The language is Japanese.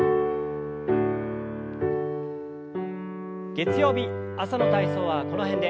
月曜日朝の体操はこの辺で。